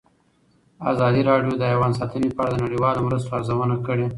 ازادي راډیو د حیوان ساتنه په اړه د نړیوالو مرستو ارزونه کړې.